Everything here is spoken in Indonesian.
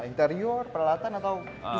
interior peralatan atau